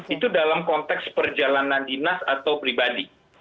itu dalam konteks perjalanan dinas atau pribadi